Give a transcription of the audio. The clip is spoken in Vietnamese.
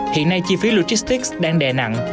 hiện nay chi phí logistics đang đè nặng